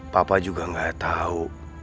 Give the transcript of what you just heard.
papa juga gak tahu